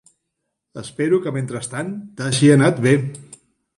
Espero que mentrestant t'hagi anat bé.